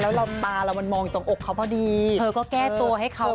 แล้วเราตาเรามันมองอยู่ตรงอกเขาพอดีเธอก็แก้ตัวให้เขา